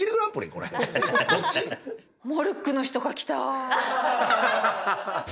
モルックの人が来た！